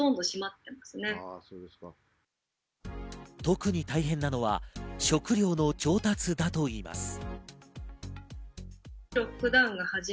特に大変なのは食料の調達だといいます。